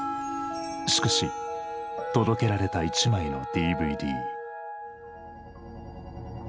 しかし届けられた一枚のＤＶＤ。